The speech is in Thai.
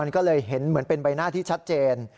ก็เลยเห็นเหมือนเป็นใบหน้าที่ชัดเจน